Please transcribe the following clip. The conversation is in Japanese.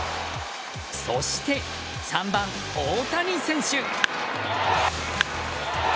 そして３番、大谷選手。